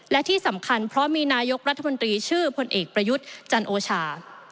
และที่สำคัญเพราะมีนายกรัฐมนตรีชื่อพลเอกประยุทธ์จันโอชา